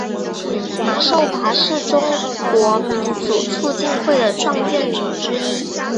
马寿华是中国民主促进会的创建者之一。